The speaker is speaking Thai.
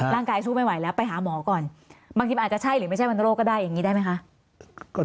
ร่างกายสู้ไม่ไหวแล้วไปหาหมอก่อน